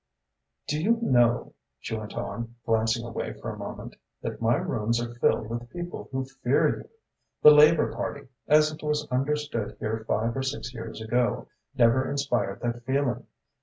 "Do you know," she went on, glancing away for a moment, "that my rooms are filled with people who fear you. The Labour Party, as it was understood here five or six years ago, never inspired that feeling.